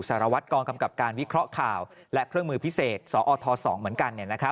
สารวัตรกองกำกับการวิเคราะห์ข่าวและเครื่องมือพิเศษสอท๒เหมือนกัน